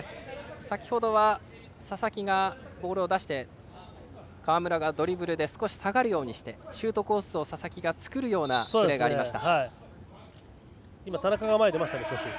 先ほどは佐々木がボールを出して川村がドリブルで少し下がるようにしてシュートコースを佐々木が作るプレーがありました。